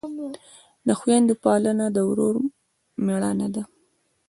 د خویندو پالنه د ورور مړانه ده.